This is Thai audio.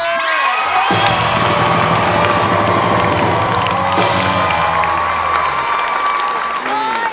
ง่ายด่าอย่างนั้นเชียว